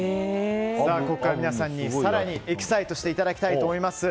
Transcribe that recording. ここから皆さんに更にエキサイトしていただきたいと思います。